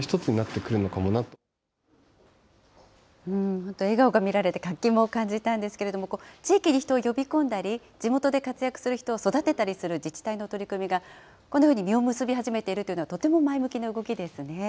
本当笑顔が見られて、活気も感じたんですけれども、地域に人を呼び込んだり、地元で活躍する人を育てたりする自治体の取り組みが、このように実を結び始めているというのは、とても前向きな動きですね。